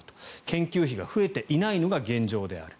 研究費が増えていないのが現状である。